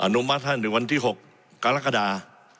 นุมัติให้วันที่๖กรกฎา